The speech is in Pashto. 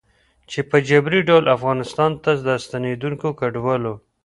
چې په جبري ډول افغانستان ته د ستنېدونکو کډوالو